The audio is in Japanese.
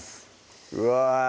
うわ